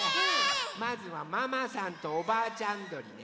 まずはママさんとおばあちゃんどりね。